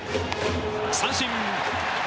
三振。